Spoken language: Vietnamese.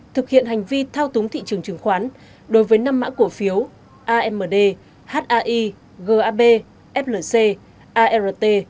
thực hiện hành vi thao túng thị trường chứng khoán đối với năm mã cổ phiếu amd hai gab flc art